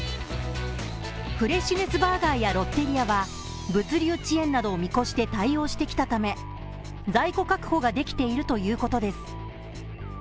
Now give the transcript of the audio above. フレッシュネスバーガーやロッテリアは物流遅延などを見越して対応してきたため在庫確保ができているということです。